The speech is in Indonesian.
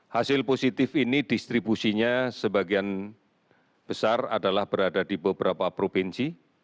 hasil positif ini distribusinya sebagian besar adalah berada di beberapa provinsi